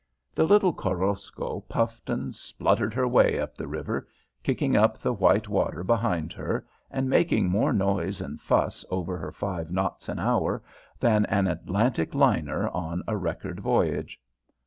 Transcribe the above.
The little Korosko puffed and spluttered her way up the river, kicking up the white water behind her, and making more noise and fuss over her five knots an hour than an Atlantic liner on a record voyage.